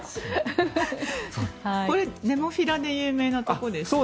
これ、ネモフィラで有名なところですよね。